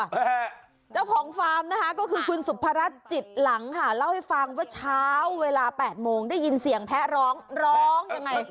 เจ้าของฟาร์มนะคะก็คือคุณสุภรัชจิตหลังค่ะเล่าให้ฟังว่าเช้าเวลาแปดโมงได้ยินเสียงแพ้ร้องร้องยังไง